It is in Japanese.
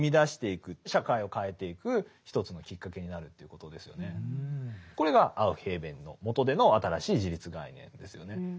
これは要するにこれがアウフヘーベンのもとでの新しい自立概念ですよね。